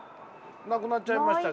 なくなっちゃいましたけど。